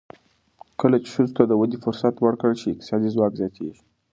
کله چې ښځو ته د ودې فرصت ورکړل شي، اقتصادي ځواک زیاتېږي.